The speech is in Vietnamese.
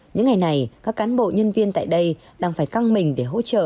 những ngày này các cán bộ nhân viên tại đây đang phải căng mình để hỗ trợ